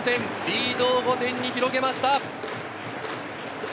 リードを５点に広げました。